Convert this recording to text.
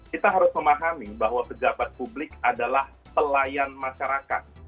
kita harus memahami bahwa pejabat publik adalah pelayan masyarakat